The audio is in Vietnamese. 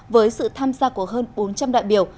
với sự tham gia của hơn bốn trăm linh đại biểu